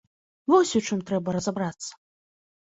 Вось у чым трэба разабрацца.